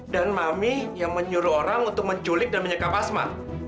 dan mami yang menyuruh orang untuk menculik dan menyekap asma